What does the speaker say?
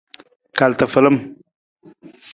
Kal tafalam.